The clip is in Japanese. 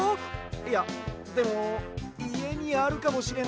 いやでもいえにあるかもしれないし。